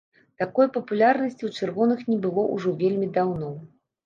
Такой папулярнасці ў чырвоных не было ўжо вельмі даўно.